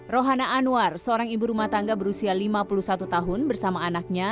rohana anwar seorang ibu rumah tangga berusia lima puluh satu tahun bersama anaknya